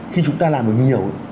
khi chúng ta làm được nhiều